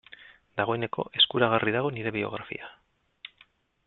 Dagoeneko eskuragarri dago nire biografia.